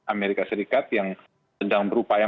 amerika serikat yang sedang berupaya